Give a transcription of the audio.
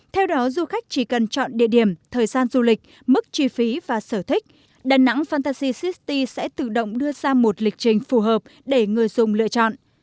theo đó du khách chỉ cần chọn địa điểm thời gian du lịch mức chi phí và sở thích đà nẵng fantasy cisti sẽ tự động đưa ra một lịch trình phù hợp để người dùng lựa chọn